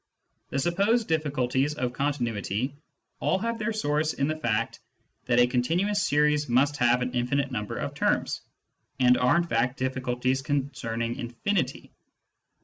The supposed difliculties of continuity all have their source in the fact that a continuous series must have an infinite number of terms, and are in fact difliculties con cerning infinity.